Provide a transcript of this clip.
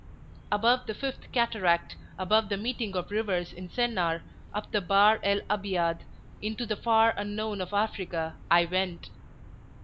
Above the fifth cataract, above the meeting of rivers in Sennar, up the Bahr el Abiad, into the far unknown of Africa, I went.